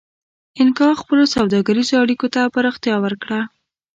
اینکا خپلو سوداګریزو اړیکو ته پراختیا ورکړه.